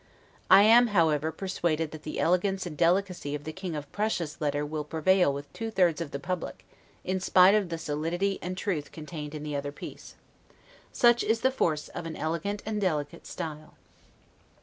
I am, however, persuaded that the elegance and delicacy of the King of Prussia's letter will prevail with two thirds of the public, in spite of the solidity and truth contained in the other piece. Such is the force of an elegant and delicate style!